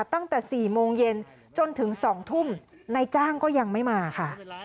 ตั้งแต่๔โมงเย็นจนถึง๒ทุ่มนายจ้างก็ยังไม่มาค่ะ